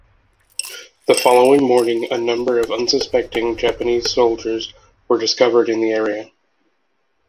The following morning a number of unsuspecting Japanese soldiers were discovered in the area.